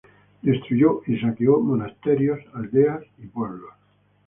Destruyó y saqueó monasterios, aldeas y pueblos.